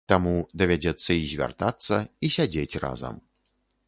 Таму, давядзецца і звяртацца, і сядзець разам.